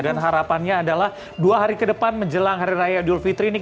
dan harapannya adalah dua hari ke depan menjelang hari raya abdul fitri ini